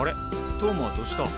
投馬はどうした？